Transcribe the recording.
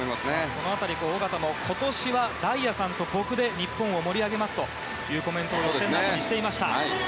その辺り、小方も今年は大也さんと僕で日本を盛り上げますというコメントを予選のあとにしていました。